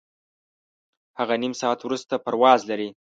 هغه نیم ساعت وروسته پرواز لري.